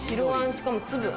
しかも粒。